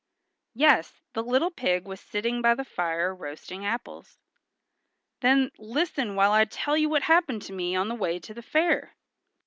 Yes, the little pig was sitting by the fire roasting apples. "Then, listen while I tell you what happened to me on the way to the fair."